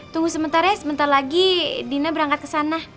tunggu sementar ya sementar lagi dina berangkat kesana